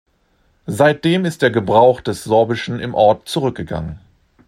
Seitdem ist der Gebrauch des Sorbischen im Ort zurückgegangen.